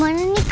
mau kemana yuk